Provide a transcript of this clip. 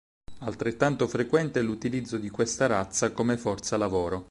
Altrettanto frequente è l'utilizzo di questa razza come forza-lavoro.